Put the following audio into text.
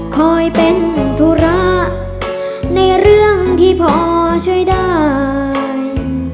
คอยเป็นธุระในเรื่องที่พอช่วยได้